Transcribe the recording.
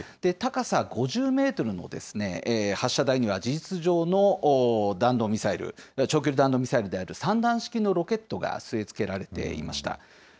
高さ５０メートルの発射台には、事実上の弾道ミサイル、長距離弾道ミサイルである３段式のロケットが据え付けられていました。